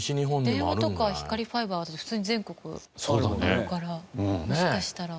電話とか光ファイバーは普通に全国あるからもしかしたら。